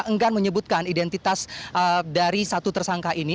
enggan menyebutkan identitas dari satu tersangka ini